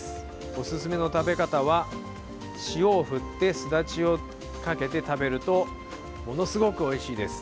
おすすめの食べ方は、塩を振ってスダチをかけて食べるとものすごくおいしいです。